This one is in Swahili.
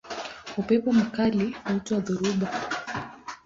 Upepo mkali huitwa dhoruba.